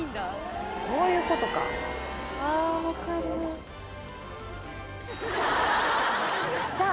そういうことかああ